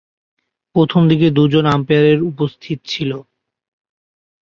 প্রথমদিকে দু'জন আম্পায়ারের উপস্থিত ছিল।